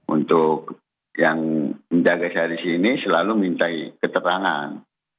untuk yang menjaga sehari hari ini selalu minta keterangan